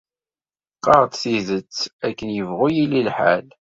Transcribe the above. Qqar-d tidet akken yebɣu yili lḥal.